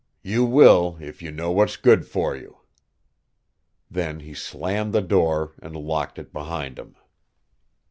You will, if you know what's good for you." Then he slammed the door and locked it behind him.